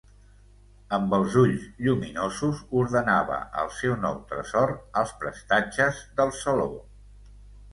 Amb els ulls lluminosos ordenava el seu nou tresor als prestatges del saló.